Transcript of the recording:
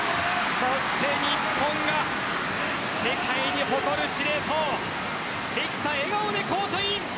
日本が世界に誇る司令塔関田、笑顔でコートイン。